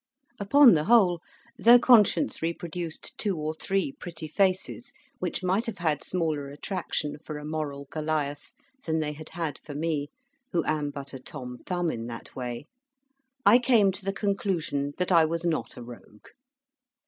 Upon the whole, though Conscience reproduced two or three pretty faces which might have had smaller attraction for a moral Goliath than they had had for me, who am but a Tom Thumb in that way, I came to the conclusion that I was not a Rogue.